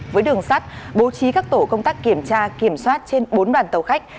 với đường sắt bố trí các tổ công tác kiểm tra kiểm soát trên bốn đoàn tàu khách